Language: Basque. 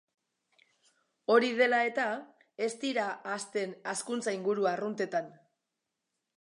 Hori dela eta, ez dira hazten hazkuntza-inguru arruntetan.